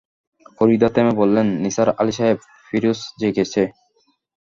ফরিদা থেমে বললেন, নিসার আলি সাহেব, ফিরোজ জেগেছে।